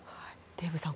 デーブさん